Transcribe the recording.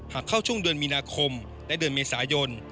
เข้าช่วงเดือนมีนาคมและเดือนเมษายน